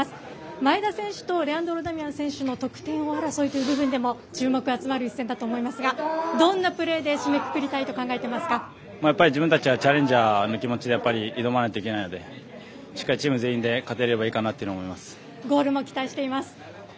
前田選手とレアンドロ・ダミアン選手の得点王争いという面でも注目集まる一戦だと思いますがどんなプレーで締めくくりたいと自分たちはチャレンジャーの気持ちで挑むのでしっかりチーム全員で勝てればいいのかなと思います。